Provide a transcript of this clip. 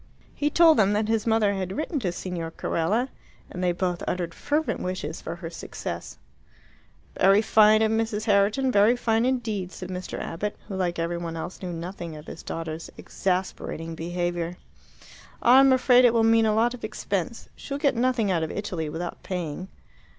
He told them that his mother had written to Signor Carella, and they both uttered fervent wishes for her success. "Very fine of Mrs. Herriton, very fine indeed," said Mr. Abbott, who, like every one else, knew nothing of his daughter's exasperating behaviour. "I'm afraid it will mean a lot of expense. She will get nothing out of Italy without paying."